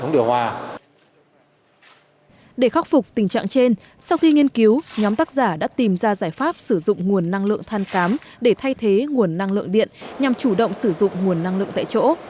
để khắc phục tình trạng trên sau khi nghiên cứu nhóm tác giả đã tìm ra giải pháp sử dụng nguồn năng lượng than cám để thay thế nguồn năng lượng điện nhằm chủ động sử dụng nguồn năng lượng tại chỗ